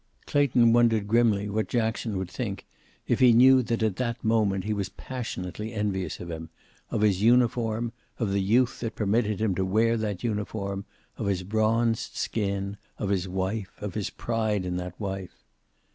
Clayton wondered grimly what Jackson would think if he knew that at that moment he was passionately envious of him, of his uniform, of the youth that permitted him to wear that uniform, of his bronzed skin, of his wife, of his pride in that wife.